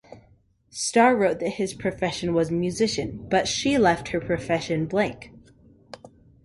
Starr wrote that his profession was 'musician', but she left her profession blank.